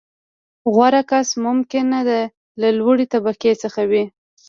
• غوره کس ممکنه ده، له لوړې طبقې څخه وي.